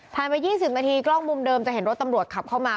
ไป๒๐นาทีกล้องมุมเดิมจะเห็นรถตำรวจขับเข้ามา